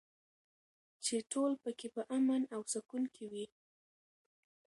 چې ټول پکې په امن او سکون کې وي.